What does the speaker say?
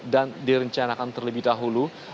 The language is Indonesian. dan direncanakan terlebih dahulu